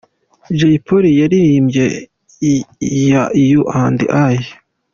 Jay Polly yaririmbye You and I.